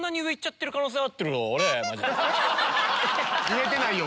下⁉言えてないよ。